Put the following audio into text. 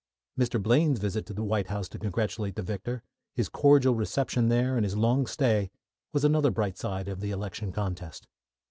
Mr. Blaine's visit to the White House to congratulate the victor, his cordial reception there, and his long stay, was another bright side of the election contest.